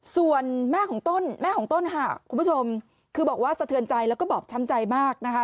ส่วนแม่ของต้นแม่ของต้นค่ะคุณผู้ชมคือบอกว่าสะเทือนใจแล้วก็บอบช้ำใจมากนะคะ